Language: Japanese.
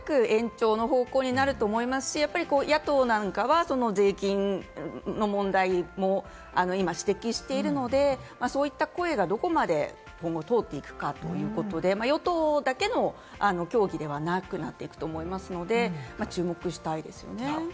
おそらく延長の方向になると思いますし、野党は税金の問題も今、指摘しているので、そういった声がどこまで今後通っていくかということで、与党だけの協議ではなくなってくると思いますので、注目したいですよね。